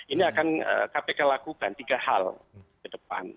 ini akan kpk lakukan tiga hal ke depan